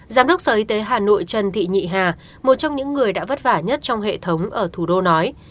giám đốc sở y tế hà nội trần thị nhị hà một trong những người đã vất vả nhất trong hệ thống ở thủ đô nói